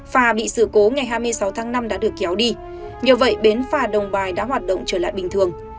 phà bị sự cố ngày hai mươi sáu tháng năm đã được kéo đi nhờ vậy bến phà đồng bài đã hoạt động trở lại bình thường